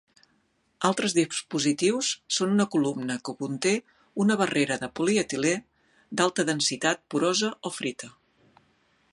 Altres dispositius són una columna que conté una barrera de polietilè d'alta densitat porosa o frita.